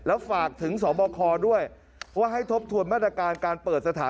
และฝากถึงสศพ